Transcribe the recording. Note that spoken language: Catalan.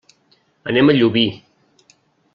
Anem a Llubí.